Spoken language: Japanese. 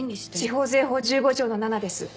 地方税法１５条の７です